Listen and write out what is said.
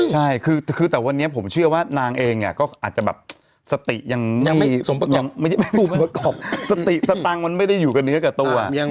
คือแต่วันนี้ผมเชื่อว่านางเองอาจจะอยู่สติตังค์มันไม่ได้อยู่กับเนื้อกลัว